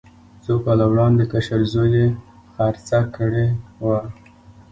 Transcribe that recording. څو کاله وړاندې کشر زوی یې خرڅه کړې وه.